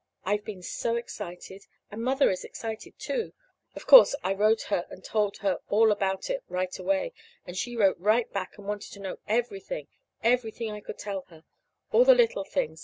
I've been so excited! And Mother is excited, too. Of course, I wrote her and told her all about it right away. And she wrote right back and wanted to know everything everything I could tell her; all the little things.